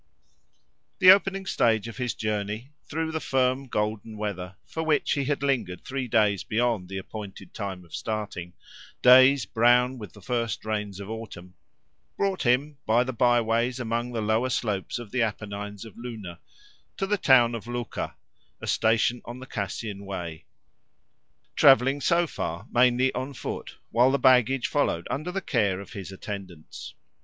The opening stage of his journey, through the firm, golden weather, for which he had lingered three days beyond the appointed time of starting—days brown with the first rains of autumn—brought him, by the byways among the lower slopes of the Apennines of Luna, to the town of Luca, a station on the Cassian Way; travelling so far mainly on foot, while the baggage followed under the care of his attendants.